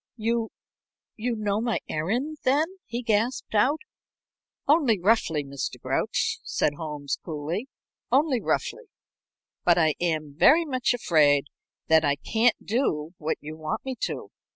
"You you know my errand, then?" he gasped out. "Only roughly, Mr. Grouch," said Holmes, coolly. "Only roughly. But I am very much afraid that I can't do what you want me to.